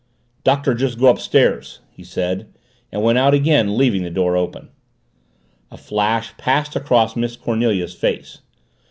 "Doctor just go upstairs," he said, and went out again leaving the door open. A flash passed across Miss Cornelia's face.